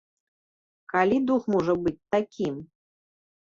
Калі дух можа быць такім?